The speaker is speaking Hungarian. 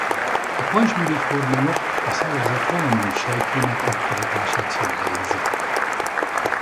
A pajzsmirigy-hormonok a szervezet valamennyi sejtjének aktivitását szabályozzák.